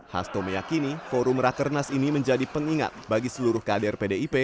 hasto meyakini forum rakernas ini menjadi pengingat bagi seluruh kader pdip